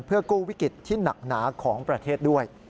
เพื่อกู้วิกฤตที่หนักหนาของประเทศด้วย